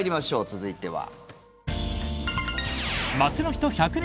続いては。